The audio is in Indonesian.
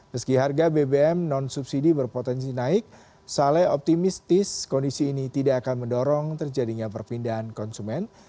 meski harga bbm non subsidi berpotensi naik saleh optimistis kondisi ini tidak akan mendorong terjadinya perpindahan konsumen